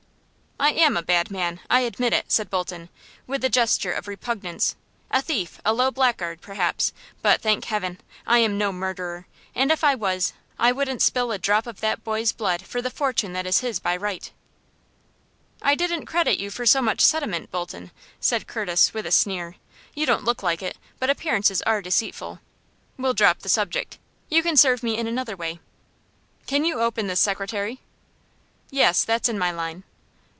"I am a bad man, I admit it," said Bolton, with a gesture of repugnance, "a thief, a low blackguard, perhaps, but, thank Heaven! I am no murderer! And if I was, I wouldn't spill a drop of that boy's blood for the fortune that is his by right." "I didn't give you credit for so much sentiment, Bolton," said Curtis, with a sneer. "You don't look like it, but appearances are deceitful. We'll drop the subject. You can serve me in another way. Can you open this secretary?" "Yes; that's in my line."